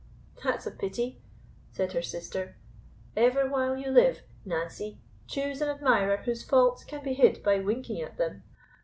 "That's a pity," said her sister; "ever while you live, Nancy, choose an admirer whose faults can be hid by winking at them.